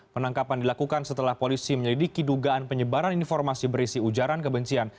penangkapan dilakukan setelah polisi menyelidiki dugaan penyebaran informasi berisi ujaran kebencian